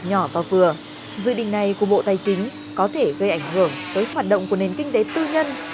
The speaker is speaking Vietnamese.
nhỏ và vừa dự định này của bộ tài chính có thể gây ảnh hưởng tới hoạt động của nền kinh tế tư nhân